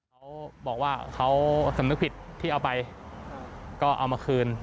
เขาบอกว่าเขาสำนึกผิดที่เอาไปก็เอามาคืน